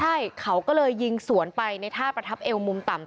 ใช่เขาก็เลยยิงสวนไปในท่าประทับเอวมุมต่ำ